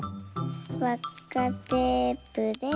わっかテープで。